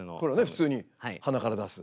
普通に鼻から出す。